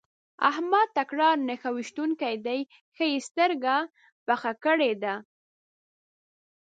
احمد تکړه نښه ويشتونکی دی؛ ښه يې سترګه پخه کړې ده.